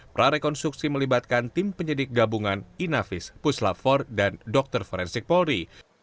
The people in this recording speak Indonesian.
prarekonstruksi melibatkan tim penyelidik gabungan inavis puslafor dan dr forensik polri